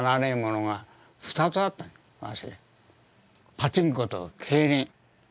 パチンコと競輪。